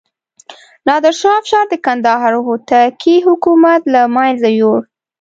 نادر شاه افشار د کندهار هوتکي حکومت له منځه یووړ.